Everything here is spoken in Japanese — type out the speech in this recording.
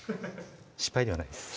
失敗ではないです